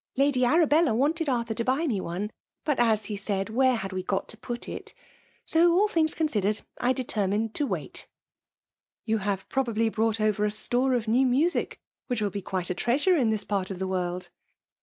Lady Arabella wanted Arthur to buy mc one ; but; as he said, where had we got to put it? — So, all things considered, I detcnnined to wait." *' You have probably brought over a store of new music, which will be quite a treasure in this part of the world